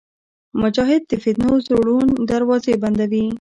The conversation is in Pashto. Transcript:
مجاهد د فتنو زوړند دروازې بندوي.